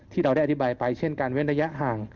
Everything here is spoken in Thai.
ที่เราได้อธิบายไปเช่นการเว้นระยะห่าง